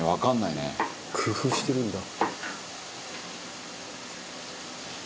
「工夫してるんだ」